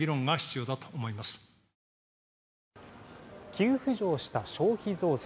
急浮上した消費増税。